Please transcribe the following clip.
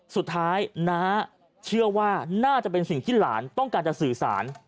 สุดท้ายน้าเชื่อว่าน่าจะเป็นสิ่งที่หลานต้องการจะสื่อสาร